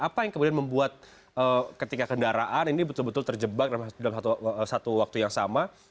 apa yang kemudian membuat ketika kendaraan ini betul betul terjebak dalam satu waktu yang sama